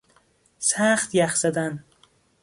سخت یخ زدن